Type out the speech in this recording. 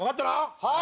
はい。